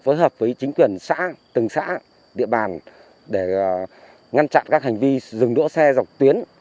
phối hợp với chính quyền xã từng xã địa bàn để ngăn chặn các hành vi dừng đỗ xe dọc tuyến